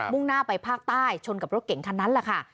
่งหน้าไปภาคใต้ชนกับรถเก่งคันนั้นแหละค่ะ